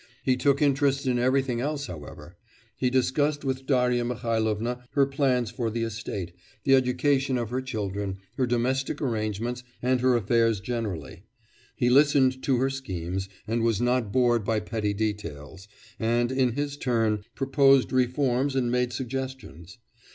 He took interest in everything else, however. He discussed with Darya Mihailovna her plans for the estate, the education of her children, her domestic arrangements, and her affairs generally; he listened to her schemes, and was not bored by petty details, and, in his turn, proposed reforms and made suggestions.